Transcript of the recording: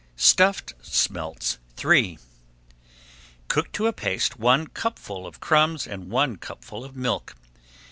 STUFFED SMELTS III Cook to a paste one cupful of crumbs and one cupful of milk.